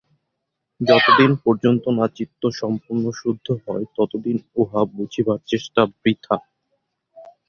যতদিন পর্যন্ত না চিত্ত সম্পূর্ণ শুদ্ধ হয়, ততদিন উহা বুঝিবার চেষ্টা বৃথা।